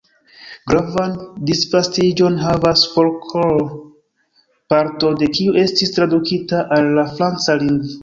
Gravan disvastiĝon havas folkloro, parto de kiu estis tradukita al la franca lingvo.